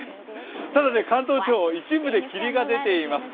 ただ、関東地方、一部で霧が出ています。